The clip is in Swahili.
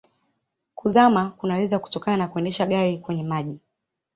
Kuzama kunaweza kutokana na kuendesha gari kwenye maji.